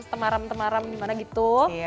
temaram temaram gimana gitu